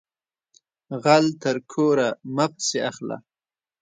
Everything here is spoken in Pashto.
غل تر کوره مه پسی اخله